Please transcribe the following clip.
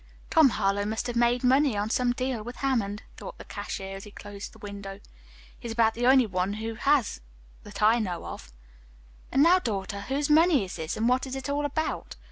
"Tom Harlowe must have made money on some deal with Hammond," thought the cashier, as he closed the window. "He is about the only one who has that I know of." "And now, daughter, whose money is this, and what is it all about?"